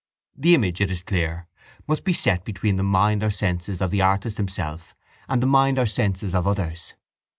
The image, it is clear, must be set between the mind or senses of the artist himself and the mind or senses of others.